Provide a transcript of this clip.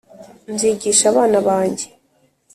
nzigisha abana banjye